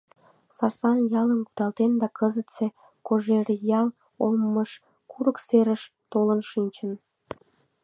Сарсан ялым кудалтен да кызытсе Кожеръял олмыш, курык серыш, толын шинчын.